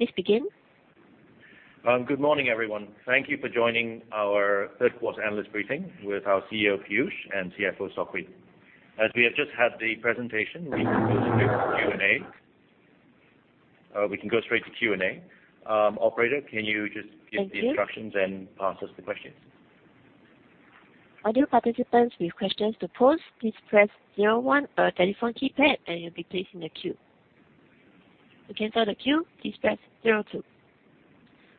Please begin. Good morning, everyone. Thank you for joining our third quarter analyst briefing with our CEO, Piyush, and CFO, Sok Hui. As we have just had the presentation, we can go straight to Q&A. Operator, can you just give the instructions? Thank you. Pass us the questions. Audio participants with question to pose, please press zero, one on the telephone keypad and you will placed in the queue. To cancel the queue, please press zero, two.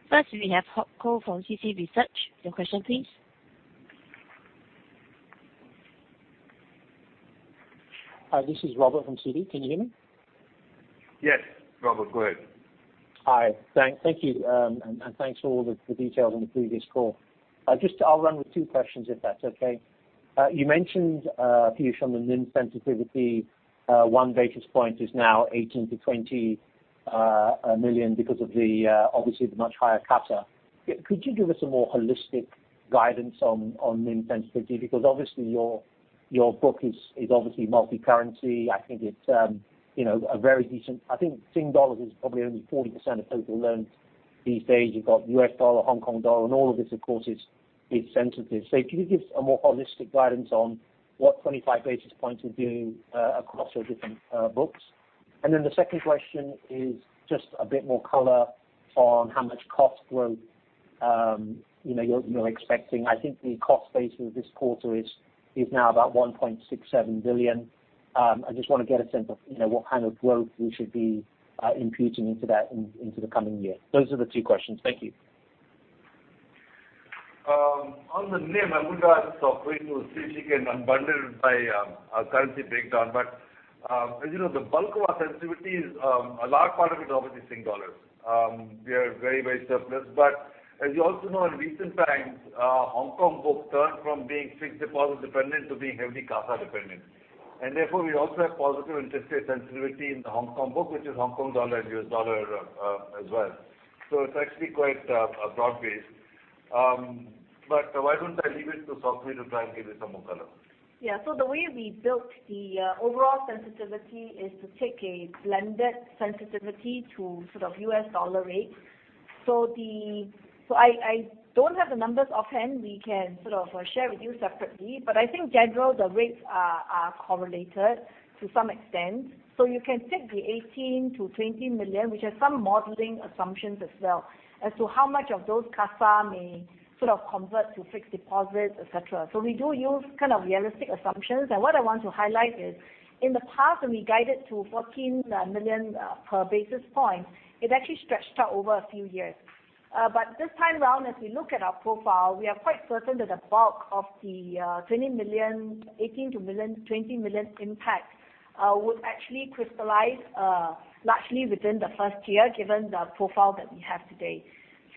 First, we have Rob Kong from Citi Research. Your question please. Hi, this is Robert from Citi. Can you hear me? Yes, Robert, go ahead. Hi. Thank you. Thanks for all the details on the previous call. Just I'll run with two questions, if that's okay. You mentioned, Piyush, on the NIM sensitivity, one basis point is now 18 million-20 million because of, obviously, the much higher CASA. Could you give us a more holistic guidance on NIM sensitivity? Because obviously, your book is obviously multi-currency. I think it's, you know, a very decent. I think Sing Dollar is probably only 40% of total loans these days. You've got US dollar, Hong Kong dollar, and all of this of course is sensitive. Can you give a more holistic guidance on what 25 basis points will do across your different books? The second question is just a bit more color on how much cost growth, you know, you're expecting. I think the cost base of this quarter is now about 1.67 billion. I just wanna get a sense of, you know, what kind of growth we should be imputing into that into the coming year. Those are the two questions. Thank you. On the NIM, I would ask Sok Hui to see if she can unbundle it by currency breakdown. As you know, the bulk of our sensitivity is a large part of it obviously Sing Dollar. We are very surplus. As you also know, in recent times, Hong Kong book turned from being fixed deposit dependent to being heavily CASA dependent. Therefore, we also have positive interest rate sensitivity in the Hong Kong book, which is Hong Kong dollar and US dollar as well. It's actually quite broad-based. Why don't I leave it to Sok Hui to try and give you some more color? Yeah. The way we built the overall sensitivity is to take a blended sensitivity to sort of U.S. dollar rates. I don't have the numbers offhand. We can sort of share with you separately. I think generally, the rates are correlated to some extent. You can take the 18 million-20 million, which has some modeling assumptions as well as to how much of those CASA may sort of convert to fixed deposits, et cetera. We do use kind of realistic assumptions. What I want to highlight is, in the past when we guided to 14 million per basis point, it actually stretched out over a few years. This time round, as we look at our profile, we are quite certain that the bulk of the 18-20 million impact would actually crystallize largely within the first year, given the profile that we have today.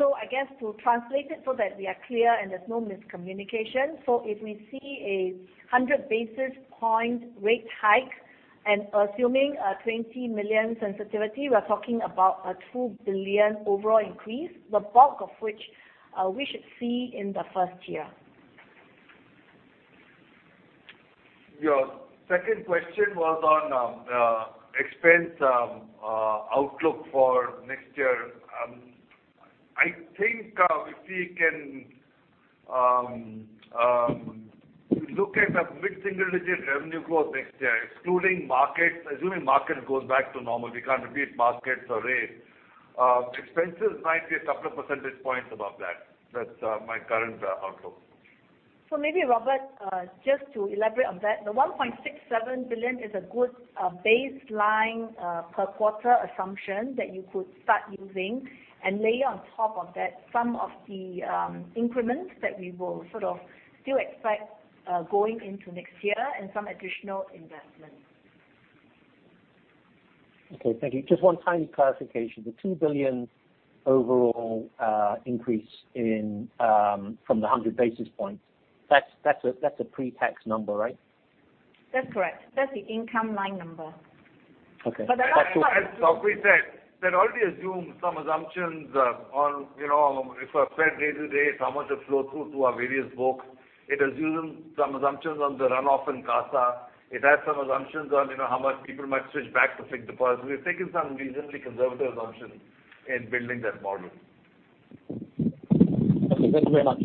I guess to translate it so that we are clear and there's no miscommunication, if we see a 100 basis point rate hike and assuming a 20 million sensitivity, we're talking about a 2 billion overall increase, the bulk of which we should see in the first year. Your second question was on expense outlook for next year. I think if we can look at a mid-single digit revenue growth next year, excluding markets, assuming market goes back to normal, we can't repeat markets or rates, expenses might be a couple of percentage points above that. That's my current outlook. Maybe, Robert, just to elaborate on that, the 1.67 billion is a good baseline per quarter assumption that you could start using and layer on top of that some of the increments that we will sort of still expect going into next year and some additional investments. Okay. Thank you. Just one tiny clarification. The 2 billion overall increase from the 100 basis points, that's a pre-tax number, right? That's correct. That's the income line number. Okay. But the- As Sok Hui said, that already assumes some assumptions, you know, if I spend day-to-day, how much it flow through to our various books. It assumes some assumptions on the runoff in CASA. It has some assumptions on, you know, how much people might switch back to fixed deposit. We've taken some reasonably conservative assumptions in building that model. Okay, thank you very much.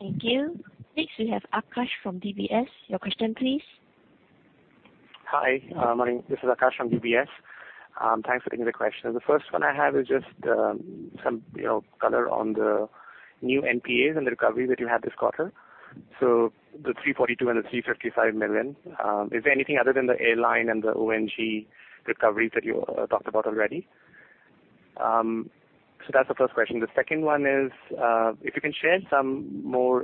Thank you. Next, we have Aakash from UBS. Your question, please. Hi. Morning. This is Aakash from UBS. Thanks for taking the question. The first one I have is just, some, you know, color on the new NPAs and the recovery that you had this quarter. The 342 million and the 355 million, is there anything other than the airline and the O&G recoveries that you talked about already? That's the first question. The second one is, if you can share some more,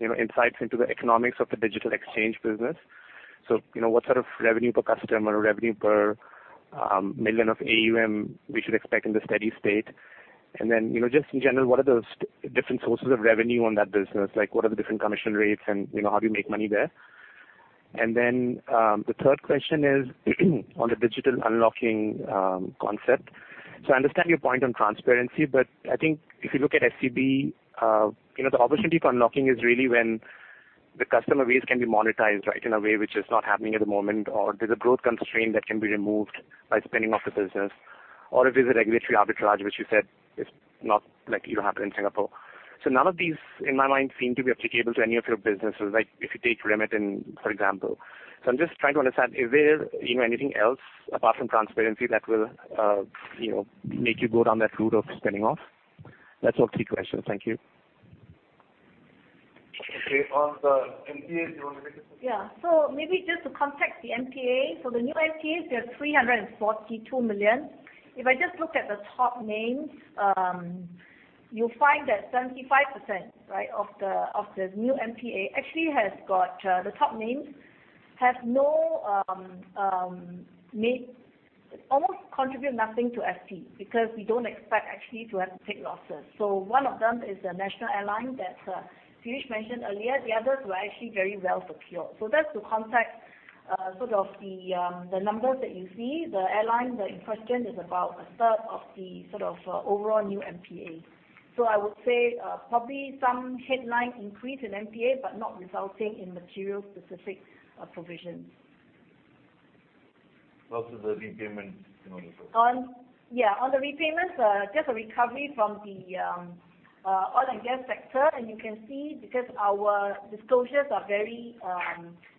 you know, insights into the economics of the digital exchange business. You know, what sort of revenue per customer or revenue per million of AUM we should expect in the steady state? And then, you know, just in general, what are the different sources of revenue on that business? Like, what are the different commission rates and, you know, how do you make money there? Then, the third question is on the digital unlocking, concept. I understand your point on transparency, but I think if you look at SCB, you know, the opportunity for unlocking is really when the customer base can be monetized right in a way which is not happening at the moment, or there's a growth constraint that can be removed by spinning off the business. Or if there's a regulatory arbitrage, which you said is not like you have in Singapore. None of these, in my mind, seem to be applicable to any of your businesses, like if you take Remit in, for example. I'm just trying to understand, is there, you know, anything else apart from transparency that will, you know, make you go down that route of spinning off? That's all three questions. Thank you. Okay. On the NPA, do you want to make a. Yeah. Maybe just to contextualize the NPA. The new NPAs, we have 342 million. If I just look at the top names, you'll find that 75%, right, of the new NPA actually has got the top names almost contribute nothing to SP, because we don't expect actually to have to take losses. One of them is the national airline that Piyush mentioned earlier. The others were actually very well secured. That's to contextualize sort of the numbers that you see. The airline that you questioned is about a third of the sort of overall new NPA. I would say probably some headline increase in NPA, but not resulting in material specific provisions. Also the repayments, can you also? On the repayments, just a recovery from the oil and gas sector. You can see because our disclosures are very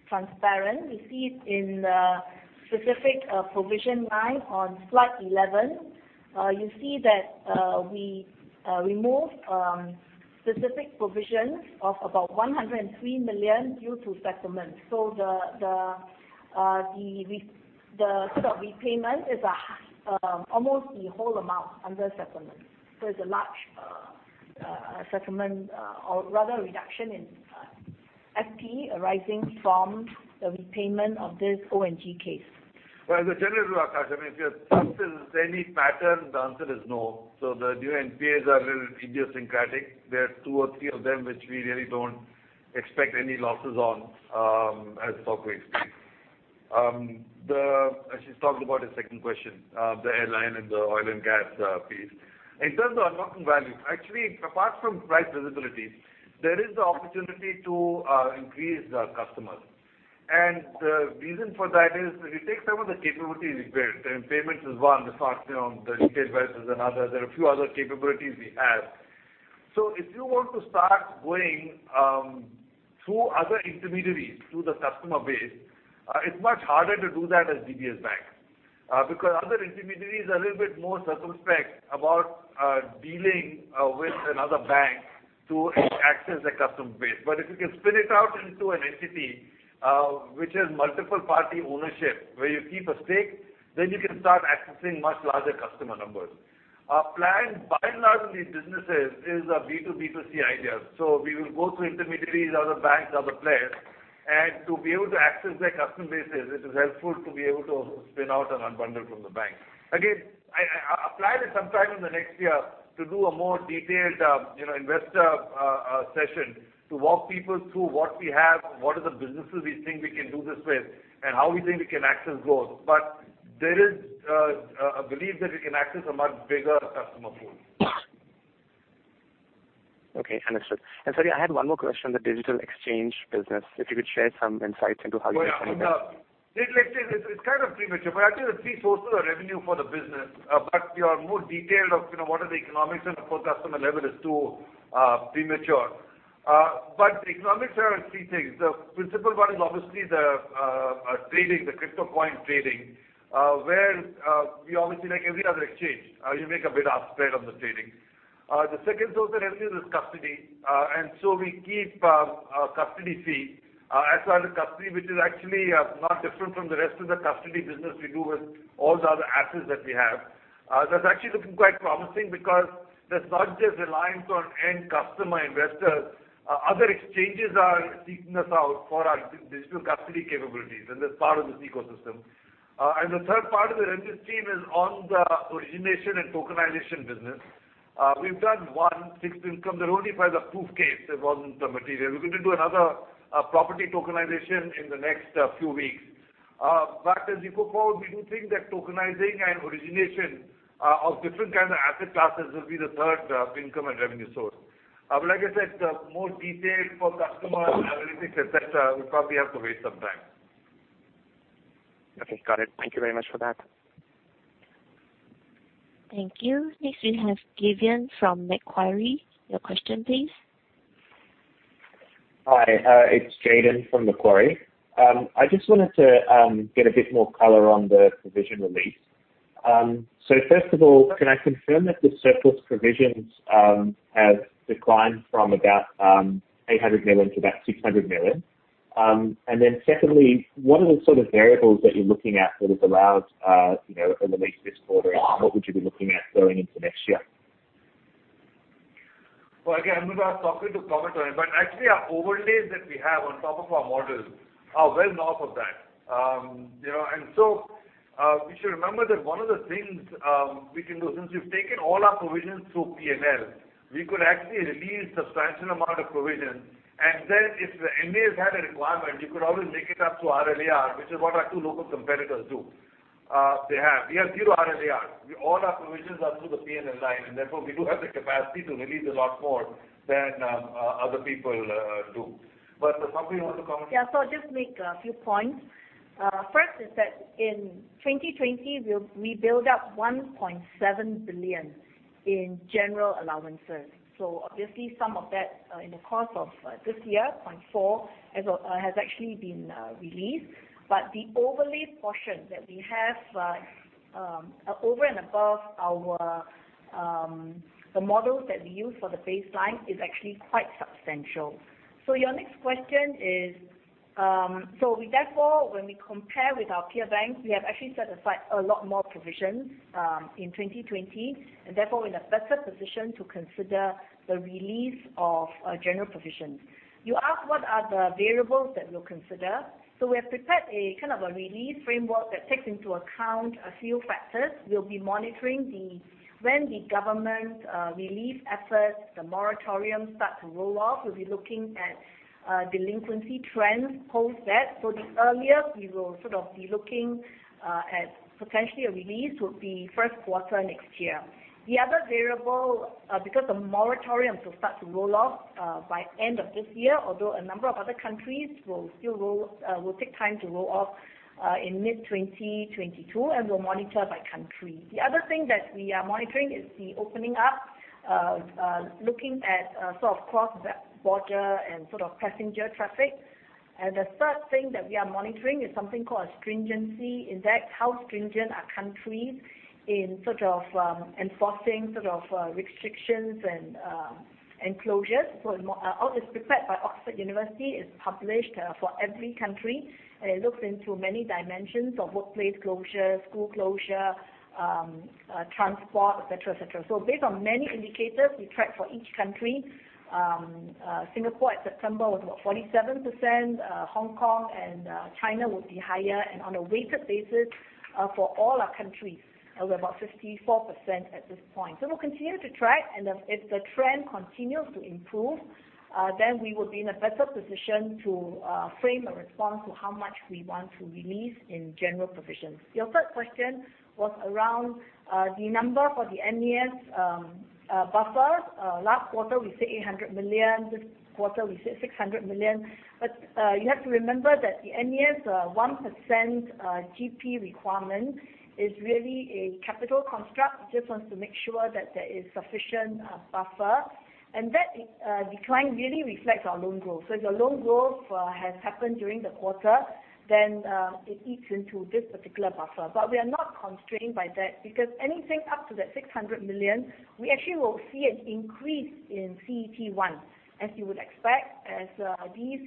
transparent, you see in the specific provision line on slide 11, you see that we remove specific provisions of about 103 million due to settlements. The sort of repayment is almost the whole amount under settlement. It's a large settlement, or rather reduction in SP arising from the repayment of this O&G case. Well, the general, Aakash, I mean, if you're asking is there any pattern, the answer is no. The new NPAs are a little idiosyncratic. There are two or three of them which we really don't expect any losses on, as Sok Hui mentioned. She's talked about the second question, the airline and the oil and gas piece. In terms of unlocking value, actually, apart from price visibility, there is the opportunity to increase our customers. The reason for that is if you take some of the capabilities we built, and payments is one. The start, you know, the UK-based is another. There are a few other capabilities we have. If you want to start going through other intermediaries to the customer base, it's much harder to do that as DBS Bank. Because other intermediaries are a little bit more circumspect about dealing with another bank to access the customer base. If you can spin it out into an entity which is multiple party ownership, where you keep a stake, then you can start accessing much larger customer numbers. Our plan by and large in these businesses is a B2B2C idea. We will go through intermediaries, other banks, other players, and to be able to access their customer bases, it is helpful to be able to spin out and unbundle from the bank. Again, I plan it sometime in the next year to do a more detailed you know investor session to walk people through what we have, what are the businesses we think we can do this with, and how we think we can access growth. There is a belief that we can access a much bigger customer pool. Okay, understood. Sorry, I had one more question on the digital exchange business. If you could share some insights into how you're planning that. Oh, yeah. In the digital exchange, it's kind of premature, but I think the three sources of revenue for the business, but more details on, you know, what the economics are at the customer level is too premature. The economics are three things. The principal one is obviously the trading, the crypto coin trading, where we obviously like every other exchange, you make a bid-ask spread on the trading. The second source of revenue is custody. We keep a custody fee as part of custody, which is actually not different from the rest of the custody business we do with all the other assets that we have. That's actually looking quite promising because there's not just reliance on end customer investors. Other exchanges are seeking us out for our digital custody capabilities, and that's part of this ecosystem. The third part of the revenue stream is on the origination and tokenization business. We've done one fixed income. There's only for the proof case. There wasn't the material. We're going to do another property tokenization in the next few weeks. As you go forward, we do think that tokenizing and origination of different kinds of asset classes will be the third income and revenue source. Like I said, more detail for customers, analytics, et cetera, we probably have to wait some time. Okay. Got it. Thank you very much for that. Thank you. Next, we have Jayden from Macquarie. Your question, please. Hi, it's Jayden from Macquarie. I just wanted to get a bit more color on the provision release. First of all, can I confirm that the surplus provisions have declined from about 800 million to about 600 million? And then secondly, what are the sort of variables that you're looking at that has allowed, you know, a release this quarter? And what would you be looking at going into next year? Well, again, I'm gonna ask Sok Hui to comment on it. Actually our overlays that we have on top of our models are well north of that. You know, we should remember that one of the things we can do since we've taken all our provisions through P&L, we could actually release substantial amount of provision. If the MAS's had a requirement, you could always make it up to RL&AR, which is what our two local competitors do. They have RL&AR. We have zero RL&AR. All our provisions are through the P&L line, and therefore we do have the capacity to release a lot more than other people do. Does Sok Hui want to comment? Yeah, I'll just make a few points. First is that in 2020, we built up 1.7 billion in general allowances. Obviously some of that, in the course of this year, 0.4 billion has actually been released. But the overlay portion that we have over and above our models that we use for the baseline is actually quite substantial. Your next question is, we therefore, when we compare with our peer banks, we have actually set aside a lot more provisions in 2020, and therefore we're in a better position to consider the release of general provisions. You asked what are the variables that we'll consider. We have prepared a kind of a release framework that takes into account a few factors. We'll be monitoring when the government relief efforts, the moratoriums start to roll off. We'll be looking at delinquency trends post that. The earliest we will sort of be looking at potentially a release would be first quarter next year. The other variable, because the moratoriums will start to roll off by end of this year, although a number of other countries will take time to roll off in mid-2022, and we'll monitor by country. The other thing that we are monitoring is the opening up, looking at sort of cross-border and sort of passenger traffic. The third thing that we are monitoring is something called a stringency index. How stringent are countries in sort of enforcing sort of restrictions and closures. It's prepared by Oxford Economics. It's published for every country, and it looks into many dimensions of workplace closure, school closure, transport, et cetera, et cetera. Based on many indicators we track for each country, Singapore at September was about 47%. Hong Kong and China would be higher. On a weighted basis, for all our countries, we're about 54% at this point. We'll continue to track, and if the trend continues to improve, then we will be in a better position to frame a response to how much we want to release in general provisions. Your third question was around the number for the MAS buffer. Last quarter we said 800 million, this quarter we said 600 million. You have to remember that the MAS 1% GP requirement is really a capital construct. It just wants to make sure that there is sufficient buffer, and that decline really reflects our loan growth. If the loan growth has happened during the quarter, then it eats into this particular buffer. We are not constrained by that because anything up to that 600 million, we actually will see an increase in CET1, as you would expect, as these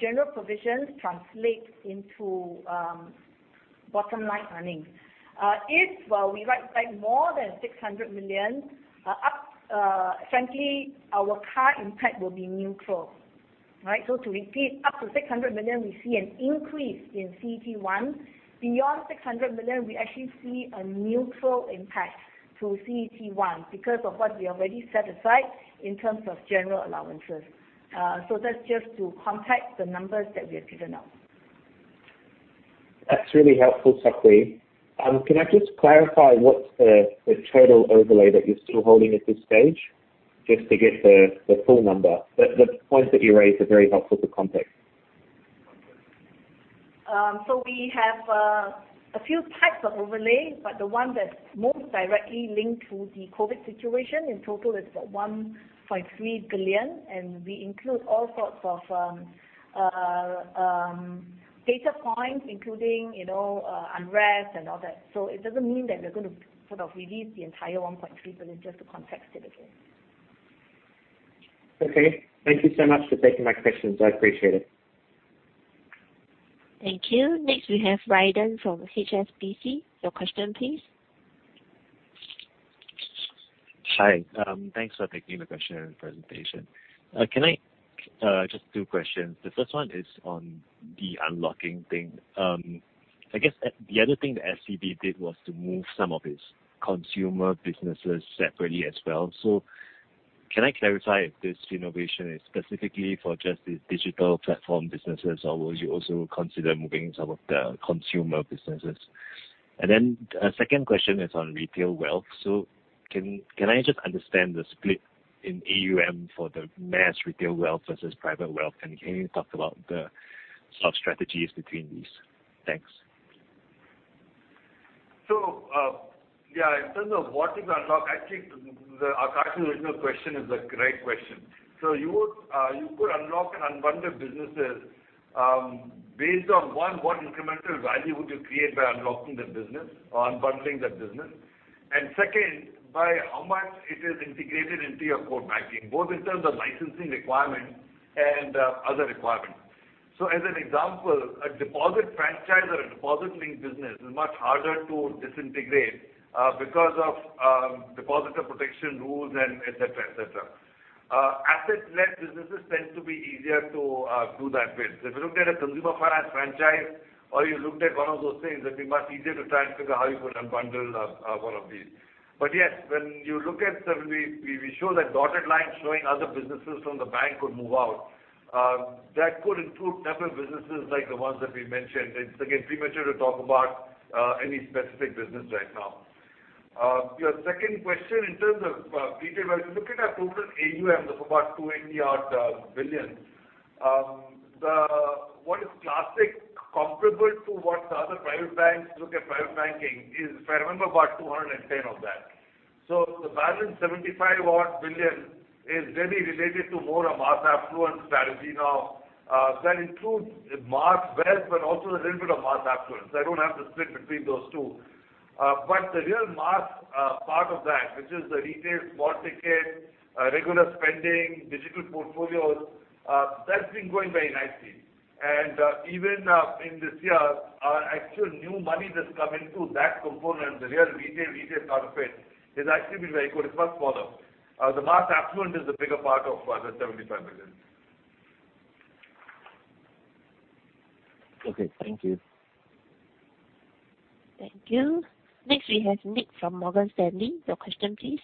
general provisions translate into bottom line earnings. If we write back more than 600 million, frankly, our capital impact will be neutral. Right? To repeat, up to 600 million, we see an increase in CET1. Beyond 600 million, we actually see a neutral impact to CET1 because of what we already set aside in terms of general allowances. That's just to contextualize the numbers that we have given out. That's really helpful, Sok Hui. Can I just clarify what's the total overlay that you're still holding at this stage? Just to get the full number. The points that you raised are very helpful to context. We have a few types of overlay, but the one that's most directly linked to the COVID situation in total is about 1.3 billion, and we include all sorts of data points, including, you know, unrest and all that. It doesn't mean that we're gonna sort of release the entire 1.3 billion just to context it again. Okay. Thank you so much for taking my questions. I appreciate it. Thank you. Next, we have Weldon from HSBC. Your question please. Hi. Thanks for taking the question and presentation. Just two questions. The first one is on the unlocking thing. I guess the other thing that SCB did was to move some of its consumer businesses separately as well. Can I clarify if this innovation is specifically for just the digital platform businesses, or will you also consider moving some of the consumer businesses? The second question is on retail wealth. Can I just understand the split in AUM for the mass retail wealth versus private wealth? Can you talk about the sort of strategies between these? Thanks. Yeah, in terms of what is unlocked, I think Aakash's original question is a great question. You would, you could unlock and unbundle businesses, based on one, what incremental value would you create by unlocking that business or unbundling that business? And second, by how much it is integrated into your core banking, both in terms of licensing requirements and other requirements. As an example, a deposit franchise or a deposit-linked business is much harder to disintegrate, because of depositor protection rules and et cetera, et cetera. Asset-led businesses tend to be easier to do that with. If you looked at a consumer finance franchise or you looked at one of those things, it'd be much easier to transfer how you could unbundle one of these. Yes, when you look at, so we show that dotted line showing other businesses from the bank could move out. That could include different businesses like the ones that we mentioned. It's, again, premature to talk about any specific business right now. Your second question in terms of retail, when you look at our total AUM of about 280 billion, what is classically comparable to what the other private banks look at private banking is, if I remember, about 210 billion of that. So the balance, 75 billion, is really related to more a mass affluent strategy now. That includes mass wealth, but also a little bit of mass affluence. I don't have the split between those two. The real mass part of that, which is the retail small ticket regular spending, digital portfolios, that's been growing very nicely. Even in this year, our actual new money that's come into that component, the real retail part of it, has actually been very good. It's much smaller. The mass affluent is the bigger part of the other 75 billion. Okay, thank you. Thank you. Next we have Nick from Morgan Stanley. Your question please.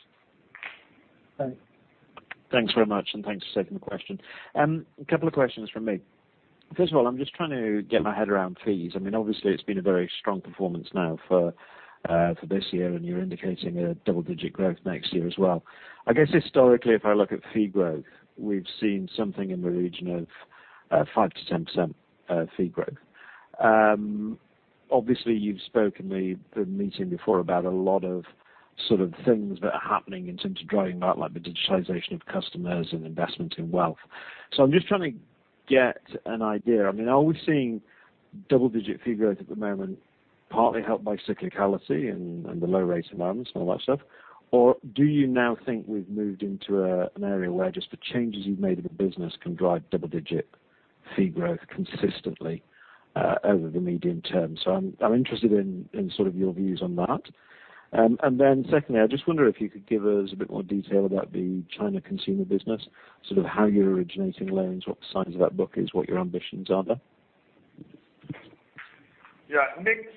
Hi. Thanks very much, and thanks for taking the question. A couple of questions from me. First of all, I'm just trying to get my head around fees. I mean, obviously it's been a very strong performance now for this year, and you're indicating a double-digit growth next year as well. I guess historically, if I look at fee growth, we've seen something in the region of 5%-10% fee growth. Obviously you've spoken the meeting before about a lot of sort of things that are happening in terms of driving that, like the digitalization of customers and investment in wealth. So I'm just trying to get an idea. I mean, are we seeing double-digit fee growth at the moment, partly helped by cyclicality and the low rates environments and all that stuff? Do you now think we've moved into an area where just the changes you've made in the business can drive double-digit fee growth consistently over the medium term? I'm interested in sort of your views on that. Secondly, I just wonder if you could give us a bit more detail about the China consumer business, sort of how you're originating loans, what the size of that book is, what your ambitions are there. Yeah. Nick,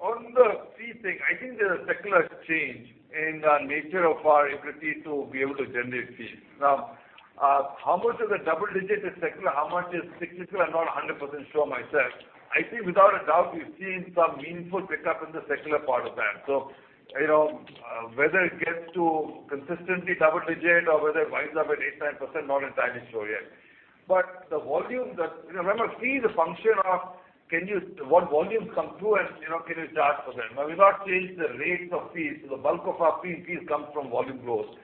on the fee thing, I think there's a secular change in the nature of our ability to be able to generate fees. Now, how much of the double digit is secular, how much is cyclical? I'm not 100% sure myself. I think without a doubt we've seen some meaningful pickup in the secular part of that. You know, whether it gets to consistently double digit or whether it winds up at eight, nine percent, not entirely sure yet. The volume, remember fee is a function of what volumes come through and, you know, can you charge for them? Now we've not changed the rates of fees, so the bulk of our fees comes from volume growth.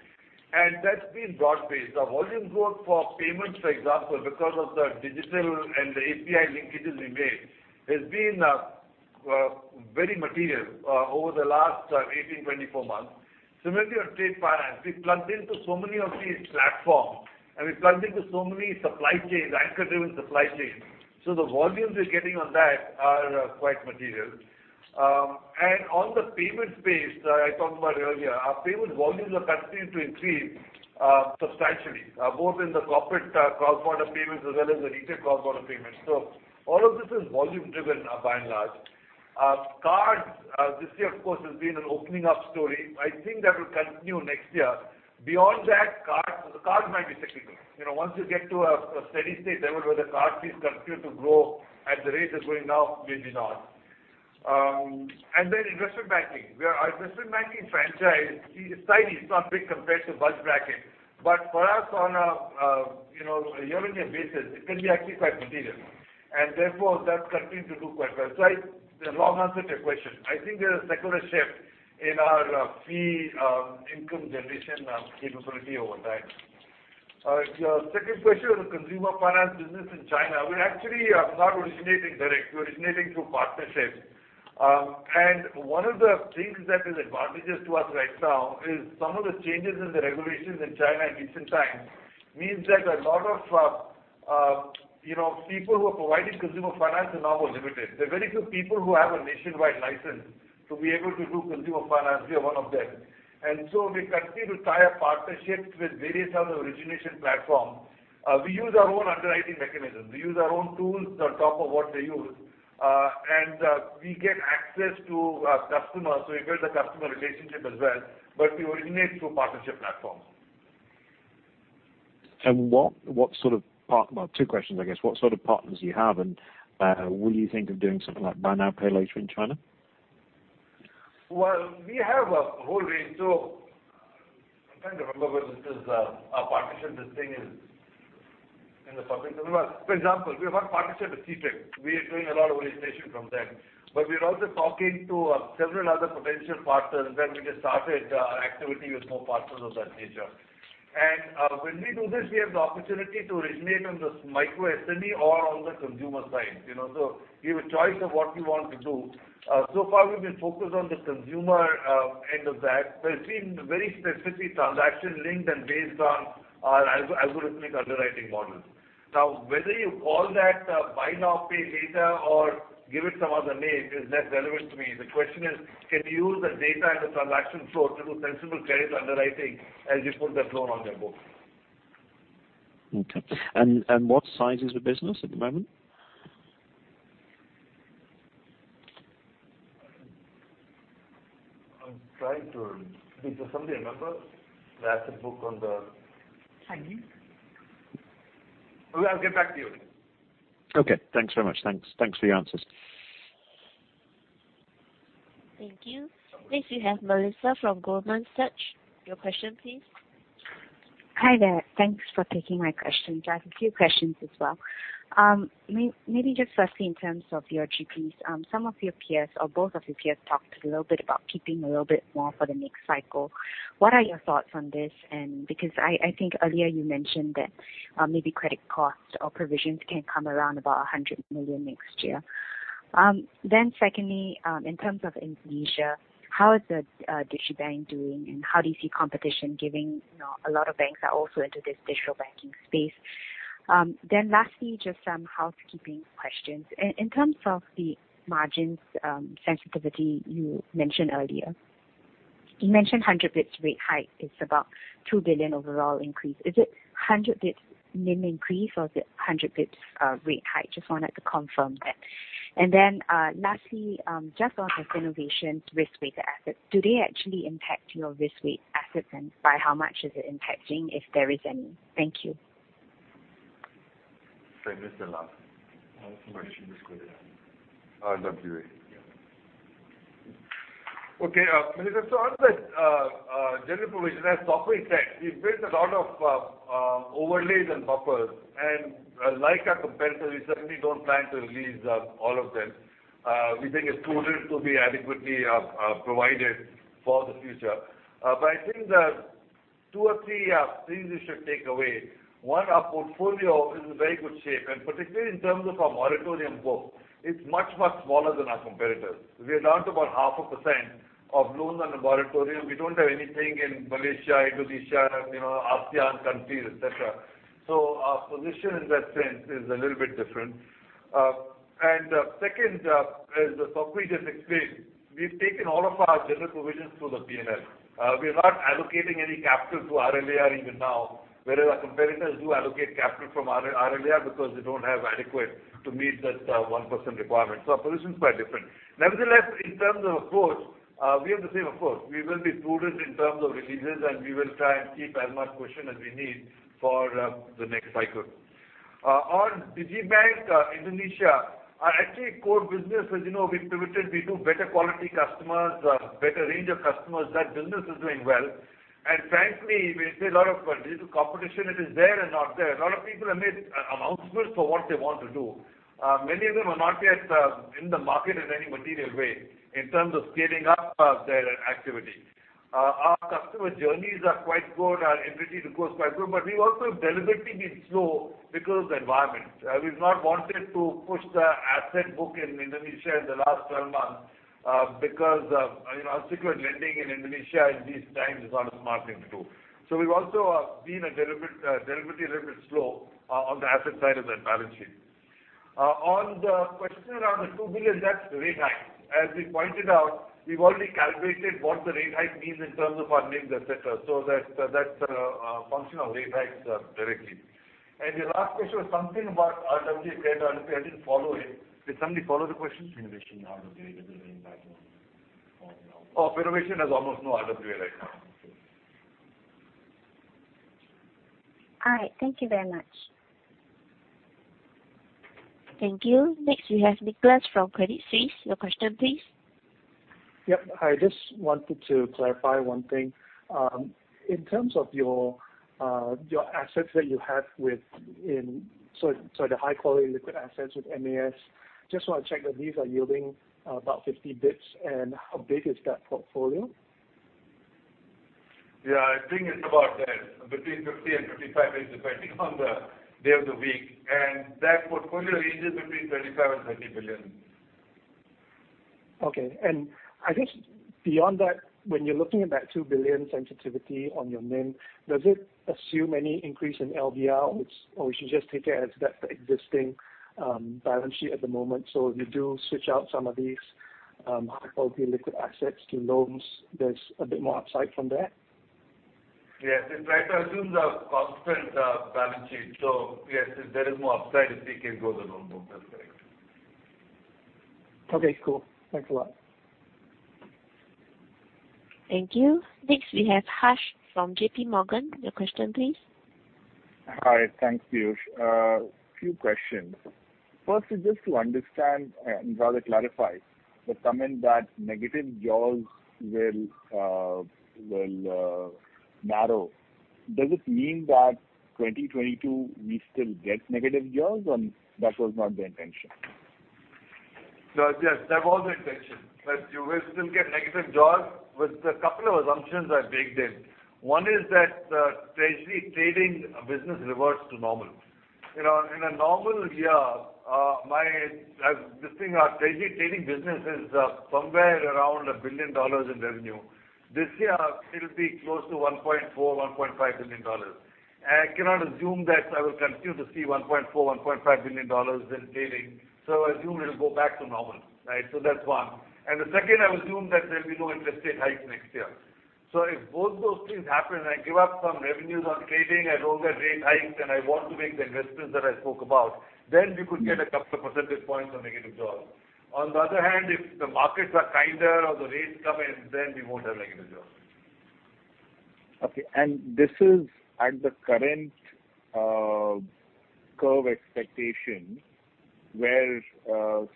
That's been broad-based. Our volume growth for payments, for example, because of the digital and the API linkages we made, has been very material over the last 18, 24 months. Similarly on trade finance, we've plugged into so many of these platforms and we've plugged into so many supply chains, anchor-driven supply chains. The volumes we're getting on that are quite material. On the payment space that I talked about earlier, our payment volumes are continuing to increase substantially, both in the corporate cross-border payments as well as the retail cross-border payments. All of this is volume driven, by and large. Cards this year of course has been an opening up story. I think that will continue next year. Beyond that, cards might be cyclical. You know, once you get to a steady state level where the card fees continue to grow at the rate they're growing now, maybe not. Then investment banking. We are an investment banking franchise. See, the size is not big compared to bulge bracket. For us on a year-on-year basis, it can be actually quite material. Therefore that continues to do quite well. The long answer to your question. I think there's a secular shift in our fee income generation capability over time. Your second question on the consumer finance business in China. We're actually not originating directly. We're originating through partnerships. One of the things that is advantageous to us right now is some of the changes in the regulations in China in recent times means that a lot of, you know, people who are providing consumer finance are now more limited. There are very few people who have a nationwide license to be able to do consumer finance. We are one of them. We continue to tie up partnerships with various other origination platforms. We use our own underwriting mechanisms. We use our own tools on top of what they use. We get access to our customers, so we build the customer relationship as well, but we originate through partnership platforms. Well, two questions I guess. What sort of partners do you have? Will you think of doing something like buy now, pay later in China? Well, we have a whole range. I'm trying to remember whether this is our partnership, this thing is in the public domain. For example, we have a partnership with Sea Finch. We are doing a lot of origination from them. We're also talking to several other potential partners where we just started our activity with more partners of that nature. When we do this, we have the opportunity to originate on the micro SME or on the consumer side, you know. We have a choice of what we want to do. So far we've been focused on the consumer end of that, but it's been very specifically transaction linked and based on our algorithmic underwriting models. Now, whether you call that buy now, pay later or give it some other name is less relevant to me. The question is, can you use the data and the transaction flow to do sensible credit underwriting as you put the loan on your book? Okay. What size is the business at the moment? Is there somebody who remember the asset book on the. Sanjeev? I'll get back to you. Okay. Thanks very much. Thanks for your answers. Thank you. Next we have Melissa from Goldman Sachs. Your question, please. Hi there. Thanks for taking my question. Just a few questions as well. Maybe just firstly in terms of your GPs, some of your peers or both of your peers talked a little bit about keeping a little bit more for the next cycle. What are your thoughts on this? Because I think earlier you mentioned that maybe credit costs or provisions can come around about 100 million next year. Secondly, in terms of Indonesia, how is the digibank doing, and how do you see competition, you know, a lot of banks are also into this digital banking space. Lastly, just some housekeeping questions. In terms of the margins sensitivity you mentioned earlier, you mentioned 100 basis points rate hike is about 2 billion overall increase. Is it 100 bps NIM increase or is it 100 bps rate hike? Just wanted to confirm that. Lastly, just on this innovations risk-weighted assets, do they actually impact your risk-weighted assets and by how much is it impacting, if there is any? Thank you. Sorry, where's the last? RWA. Yeah. Okay, Melissa, so on that, general provision as Sok Hui said, we've built a lot of overlays and buffers, and like our competitor, we certainly don't plan to release all of them. We think it's prudent to be adequately provided for the future. I think that two or three things you should take away. One, our portfolio is in very good shape, and particularly in terms of our moratorium book, it's much, much smaller than our competitors. We're down to about 0.5% of loans on the moratorium. We don't have anything in Malaysia, Indonesia, and you know, ASEAN countries, et cetera. Our position in that sense is a little bit different. Second, as Sok Hui just explained, we've taken all of our general provisions through the P&L. We're not allocating any capital to RLE or even now, whereas our competitors do allocate capital from RLE because they don't have adequate to meet that 1% requirement. Our position is quite different. Nevertheless, in terms of approach, we have the same approach. We will be prudent in terms of releases, and we will try and keep as much cushion as we need for the next cycle. On digibank, Indonesia, our actual core business as you know we've pivoted, we do better quality customers, better range of customers. That business is doing well. Frankly, we see a lot of digital competition that is there and not there. A lot of people are making announcements for what they want to do. Many of them are not yet in the market in any material way in terms of scaling up their activity. Our customer journeys are quite good. Our entity recourse quite good. We've also deliberately been slow because of the environment. We've not wanted to push the asset book in Indonesia in the last 12 months because, you know, our secured lending in Indonesia in these times is not a smart thing to do. So we've also been deliberately a little bit slow on the asset side of the balance sheet. On the question around the 2 billion, that's rate hike. As we pointed out, we've already calculated what the rate hike means in terms of our NIMs, etc. That's functional rate hikes directly. Your last question was something about RWA data. I didn't follow it. Did somebody follow the question? Innovation RWA impact on Our innovation has almost no RWA right now. All right. Thank you very much. Thank you. Next we have Nicholas from Credit Suisse. Your question please. Yep. I just wanted to clarify one thing. In terms of your high quality liquid assets with MAS, just want to check that these are yielding about 50 basis points and how big is that portfolio? Yeah, I think it's about that, between 50 and 55 bps depending on the day of the week. That portfolio ranges between 25 billion and 30 billion. Okay. I guess beyond that, when you're looking at that 2 billion sensitivity on your NIM, does it assume any increase in LDRs or we should just take it as that's the existing balance sheet at the moment? If you do switch out some of these high quality liquid assets to loans, there's a bit more upside from there. Yes. In fact, I assume the constant balance sheet. Yes, there is more upside if we can grow the loan book. That's correct. Okay, cool. Thanks a lot. Thank you. Next, we have Harsh from JPMorgan. Your question please. Hi. Thanks, Piyush. A few questions. First is just to understand and rather clarify the comment that negative jaws will narrow. Does it mean that 2022 we still get negative jaws or that was not the intention? Yes, that was the intention, that you will still get negative jaws with a couple of assumptions I've baked in. One is that treasury trading business reverts to normal. You know, in a normal year, our treasury trading business is somewhere around 1 billion dollars in revenue. This year it'll be close to 1.4 billion-1.5 billion dollars. I cannot assume that I will continue to see 1.4 billion-1.5 billion dollars in trading. I assume it'll go back to normal, right? That's one. The second, I assume that there'll be no interest rate hike next year. If both those things happen, I give up some revenues on trading. I don't get rate hikes, and I want to make the investments that I spoke about, then we could get a couple of percentage points of negative jaws. On the other hand, if the markets are kinder or the rates come in, then we won't have negative jaws. Okay. This is at the current curve expectation where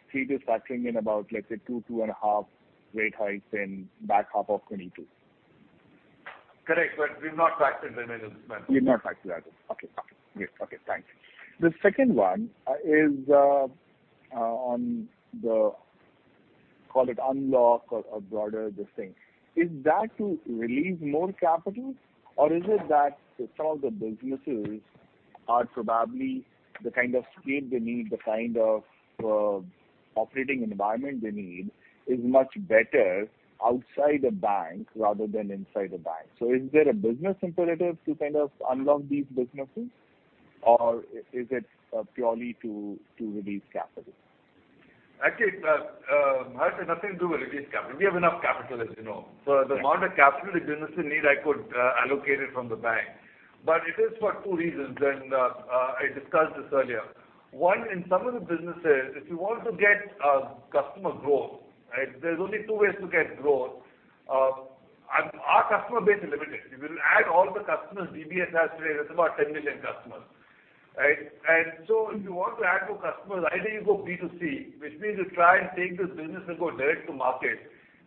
street is factoring in about, let's say, 2-2.5 rate hikes in back half of 2022. Correct. We've not factored them in as well. We've not factored that in. Okay. Yes. Okay, thanks. The second one is on the capital unlock or broader this thing. Is that to relieve more capital or is it that some of the businesses are probably the kind of scale they need, the kind of operating environment they need is much better outside the bank rather than inside the bank. Is there a business imperative to kind of unlock these businesses or is it purely to release capital? Actually, Harsh, it's nothing to do with releasing capital. We have enough capital, as you know. The amount of capital the business will need, I could allocate it from the bank. It is for two reasons, and I discussed this earlier. One, in some of the businesses, if you want to get customer growth, right, there's only two ways to get growth. Our customer base is limited. If you add all the customers DBS has today, that's about 10 million customers, right? If you want to add more customers, either you go B2C, which means you try and take this business and go direct to market.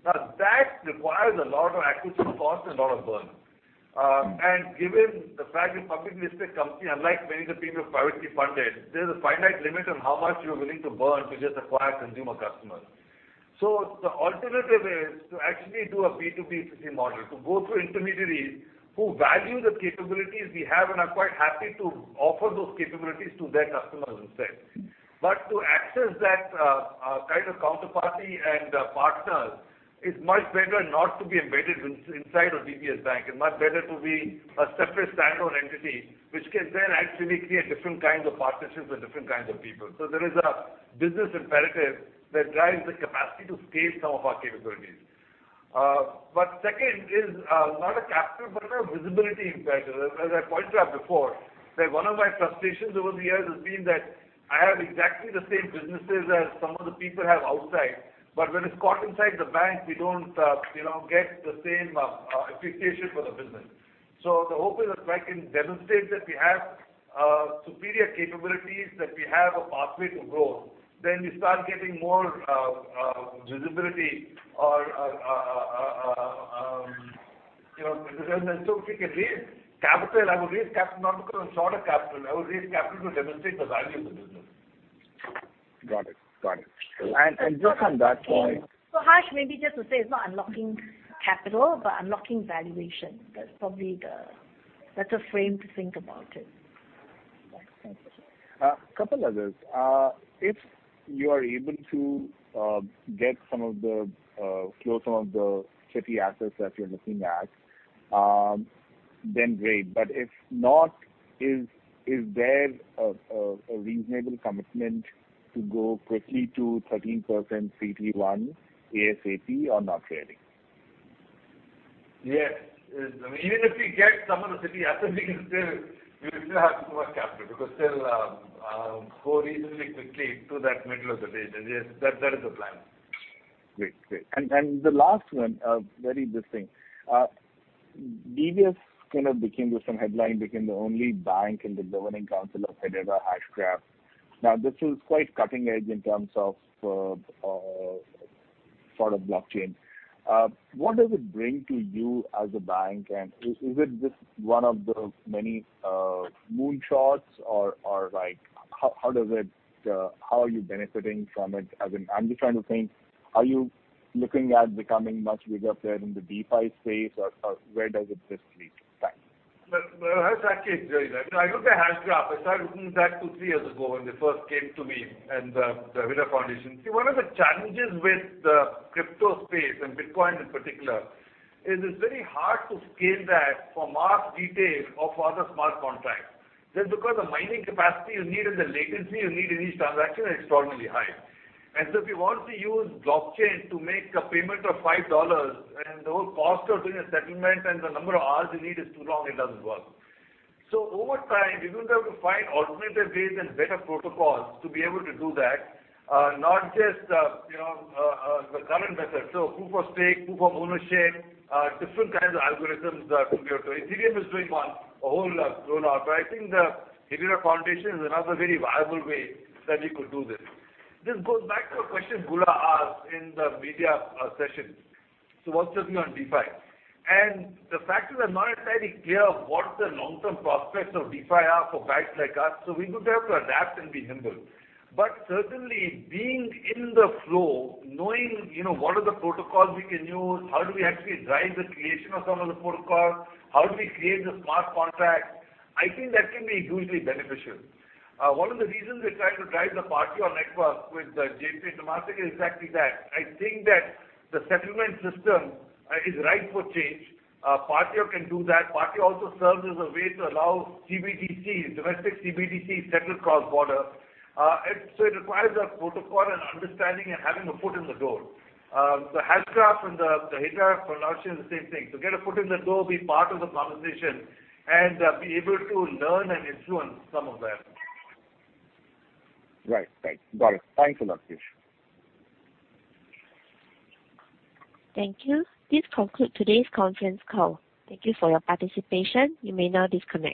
Now, that requires a lot of acquisition costs and a lot of burn. Given the fact we're a publicly listed company, unlike many of the people privately funded, there's a finite limit on how much you're willing to burn to just acquire consumer customers. The alternative is to actually do a B2B2C model, to go through intermediaries who value the capabilities we have and are quite happy to offer those capabilities to their customers instead. To access that kind of counterparty and partners, it's much better not to be embedded inside of DBS Bank and much better to be a separate standalone entity, which can then actually create different kinds of partnerships with different kinds of people. There is a business imperative that drives the capacity to scale some of our capabilities. Second is not a capital but a visibility imperative. As I pointed out before, that one of my frustrations over the years has been that I have exactly the same businesses as some of the people have outside. When it's caught inside the bank, we don't, you know, get the same, appreciation for the business. The hope is that if I can demonstrate that we have, superior capabilities, that we have a pathway to grow, then we start getting more, visibility or, you know, so if we can raise capital, I would raise capital not because I'm short of capital. I would raise capital to demonstrate the value of the business. Got it. Just on that point. Harsh, maybe just to say it's not unlocking capital, but unlocking valuation. That's probably the better frame to think about it. Couple others. If you are able to close some of the Citi assets that you're looking at, then great. If not, is there a reasonable commitment to go quickly to 13% CET1 ASAP or not really? Yes. Even if we get some of the Citi assets, we will still have to raise capital because we still go reasonably quickly to that middle of the range. Yes. That is the plan. Great. The last one, very interesting. DBS kind of became the only bank in the governing council of Hedera Hashgraph. Now, this is quite cutting edge in terms of sort of blockchain. What does it bring to you as a bank? Is it just one of the many moon shots? Like, how does it, how are you benefiting from it? As in, I'm just trying to think, are you looking at becoming much bigger player in the DeFi space or where does it just lead? Thanks. Well, Harsh, actually it's very right. I looked at Hedera Hashgraph. I started looking at that two to three years ago when they first came to me and the Hedera Foundation. See, one of the challenges with the crypto space and Bitcoin in particular is it's very hard to scale that for mass retail or for other smart contracts. Just because the mining capacity you need and the latency you need in each transaction are extraordinarily high. If you want to use blockchain to make a payment of $5 and the whole cost of doing a settlement and the number of hours you need is too long, it doesn't work. Over time, we're going to have to find alternative ways and better protocols to be able to do that, not just, you know, the current method. Proof of stake, proof of ownership, different kinds of algorithms that could be occurring. Ethereum is doing one, a whole lot going on. I think the Hedera Foundation is another very viable way that we could do this. This goes back to a question Goolam asked in the media session. What's your view on DeFi? The fact is I'm not entirely clear what the long-term prospects of DeFi are for banks like us, so we're going to have to adapt and be humble. Certainly being in the flow, knowing, you know, what are the protocols we can use, how do we actually drive the creation of some of the protocols, how do we create the smart contracts? I think that can be hugely beneficial. One of the reasons we're trying to drive the Partior network with J.P. Morgan is exactly that. I think that the settlement system is ripe for change. Partior can do that. Partior also serves as a way to allow CBDCs, domestic CBDCs to settle cross-border. It requires a protocol and understanding and having a foot in the door. The Hashgraph and the Hedera Foundation are the same thing. To get a foot in the door, be part of the conversation, and be able to learn and influence some of that. Right. Right. Got it. Thanks a lot, Piyush. Thank you. This concludes today's conference call. Thank you for your participation. You may now disconnect.